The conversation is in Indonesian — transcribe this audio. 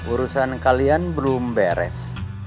urusan kalian belum beres